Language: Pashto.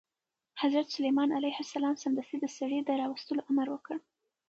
حضرت سلیمان علیه السلام سمدستي د سړي د راوستلو امر وکړ.